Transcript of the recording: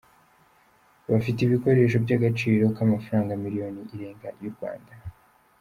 Bafite ibikoresho by’agaciro k’amafaranga miliyoni irenga y’u Rwanda.